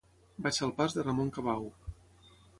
Vaig al pas de Ramon Cabau.